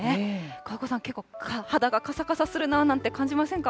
桑子さん、結構、肌がかさかさするななんて感じませんか？